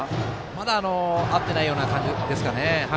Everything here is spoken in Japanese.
まだ合ってないような感じですかね。